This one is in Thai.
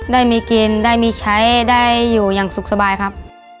ได้มีกินได้มีใช้ได้อยู่อย่างสุขสบายครับ